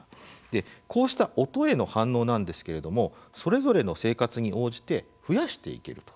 こうした音への反応なんですけれどもそれぞれの生活に応じて増やしていけると。